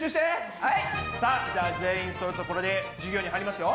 さあじゃあ全員そろったところで授業に入りますよ。